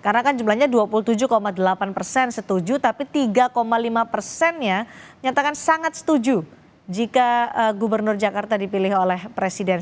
karena kan jumlahnya dua puluh tujuh delapan setuju tapi tiga lima nya nyatakan sangat setuju jika gubernur jakarta dipilih oleh presiden